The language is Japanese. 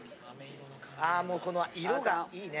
あもうこの色がいいね。